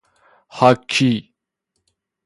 هاکی